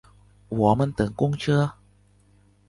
我们等公车